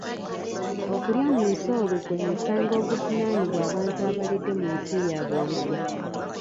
Okulya mu nsi olukwe musango oguvunaanibwa abantu abalidde mu nsi yaabwe olukwe .